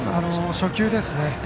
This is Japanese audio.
初球ですね。